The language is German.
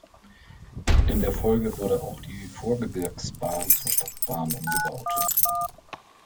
In der Folge wurde auch die Vorgebirgsbahn zur Stadtbahn umgebaut.